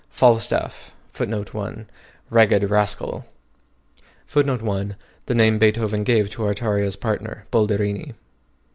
FALSTAFF Ragged Rascal! [Footnote 1: The name Beethoven gave to Artaria's partner, Bolderini.